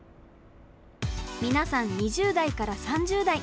みなさん２０代から３０代。